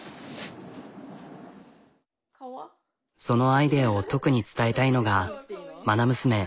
そのアイデアを特に伝えたいのがまな娘。